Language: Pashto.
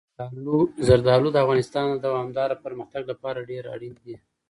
زردالو د افغانستان د دوامداره پرمختګ لپاره ډېر اړین دي.